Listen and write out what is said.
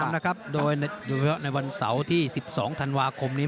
ติดตามนะครับโดยในวันเสาร์ที่๑๒ธันวาคมนี้